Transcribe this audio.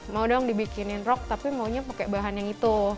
mau dong dibikinin rock tapi maunya pakai bahan yang itu